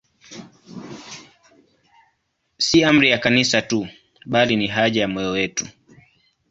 Si amri ya Kanisa tu, bali ni haja ya moyo wetu.